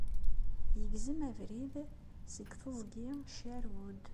Yegzem abrid seg Teẓgi Sherwood.